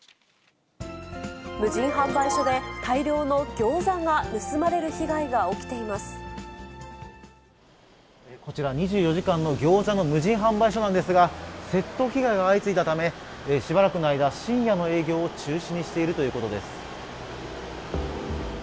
無人販売所で、大量のギョーこちら、２４時間のギョーザの無人販売所なんですが、窃盗被害が相次いだため、しばらくの間、深夜の営業を中止にしているということです。